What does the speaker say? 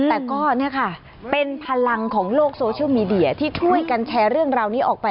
แต่ก็เนี่ยค่ะเป็นพลังของโลกโซเชียลมีเดียที่ช่วยกันแชร์เรื่องราวนี้ออกไป